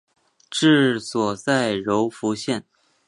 治所在柔服县。